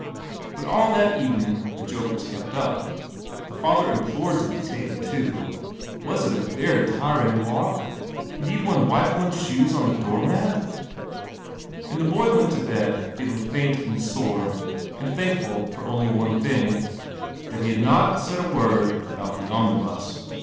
But all that evening the joke was kept up. The rather implored to be taken to. .\\.. it a very tiring walk ? Need one wipe < hoes the mat? And the hoy went tO bed feel ing taint and and thankful tor only one thii that he ha i not said a word about the ami bus.